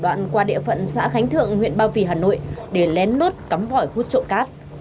đoạn qua địa phận xã khánh thượng huyện ba vì hà nội để lén lốt cắm vỏi hút trộn cát